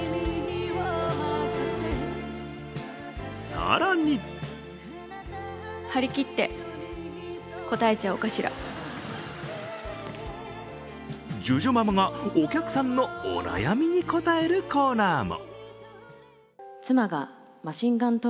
更にＪＵＪＵママがお客さんのお悩みに答えるコーナーも。